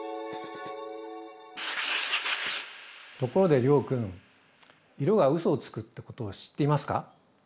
ところで諒君色がうそをつくってことを知っていますか？